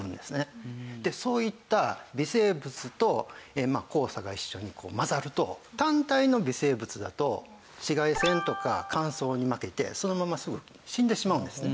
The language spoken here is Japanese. でそういった微生物と黄砂が一緒に混ざると単体の微生物だと紫外線とか乾燥に負けてそのまますぐ死んでしまうんですね。